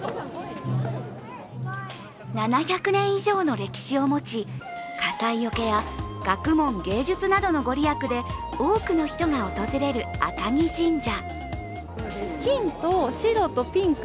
７００年以上の歴史を持ち、火災よけや学問芸術などの御利益で多くの人が訪れる赤城神社。